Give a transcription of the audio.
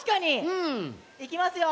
うん。いきますよ。